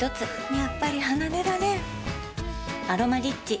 やっぱり離れられん「アロマリッチ」